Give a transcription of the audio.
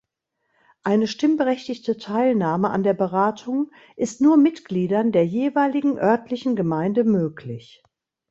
Eine stimmberechtigte Teilnahme an der Beratung ist nur Mitgliedern der jeweiligen örtlichen Gemeinde möglich.